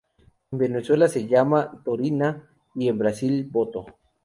En Venezuela se le llama "tonina" y en Brasil, "boto".